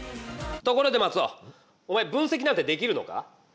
ところでマツオおまえ分析なんてできるのか？